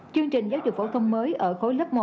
chương trình giáo dục phổ thông mới ở khối lớp một